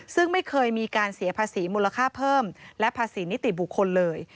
ซึ่งไม่เคยมีการเสียภาษีมูลค่าเพิ่มและภาษีนิติบุคคลเลย